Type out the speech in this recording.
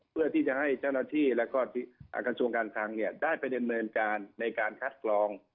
เพื่อที่จะให้เจ้าหน้าที่แล้วก็กระทรวงการคลังได้ไปดำเนินการในการคัดกรอง